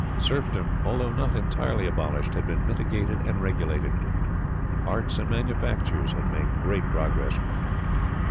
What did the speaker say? Serfdom, although not entirely abolished, had been mitigated and regulated. Arts and manufactures had made great progress.